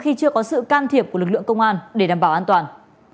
khi chưa có sự can thiệp của lực lượng công an để đảm bảo an toàn